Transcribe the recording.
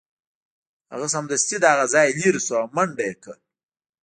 هغه سمدستي له هغه ځایه لیرې شو او منډه یې کړه